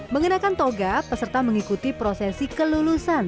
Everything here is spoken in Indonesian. mengenakan toga peserta mengikuti prosesi kelulusan